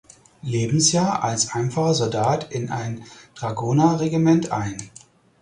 Lebensjahr als einfacher Soldat in ein Dragonerregiment ein.